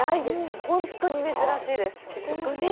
本当に珍しいです。